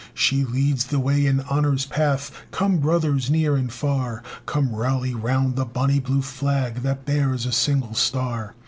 She leads the way in honor's path; Come, brothers, near and far, Come rally round the Bonnie Blue Flag That bears a single star!